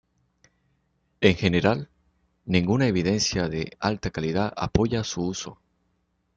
En general, ninguna evidencia de alta calidad apoya su uso.